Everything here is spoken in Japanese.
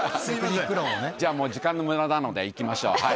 じゃあ、もう時間のむだなのでいきましょう。